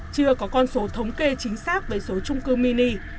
chưa có con số thống kê chính xác về số trung cư mini